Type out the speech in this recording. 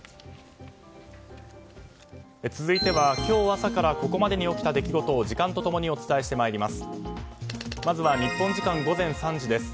続いては今日朝からここまでに起きた出来事を時間と共にお伝えしてまいります。